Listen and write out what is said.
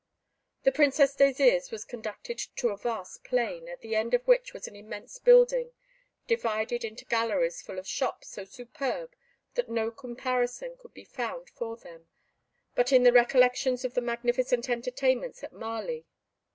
The Princess Désirs was conducted to a vast plain, at the end of which was an immense building, divided into galleries full of shops so superb that no comparison could be found for them but in the recollections of the magnificent entertainments at Marly.